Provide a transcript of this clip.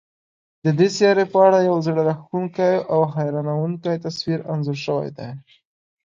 د دې سیارې په اړه یو زړه راښکونکی او حیرانوونکی تصویر انځور شوی دی.